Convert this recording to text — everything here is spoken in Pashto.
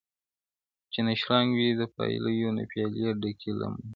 چي نه شرنګ وي د پایلو نه پیالې ډکي له مُلو -